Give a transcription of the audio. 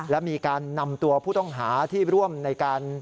และมีการนำตัวผู้ต้องหาที่ร่วมในการ